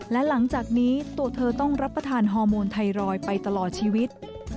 และหลังจากนี้ตัวเธอต้องรับประทานฮอร์โมนไทรอยด์ไปตลอดชีวิต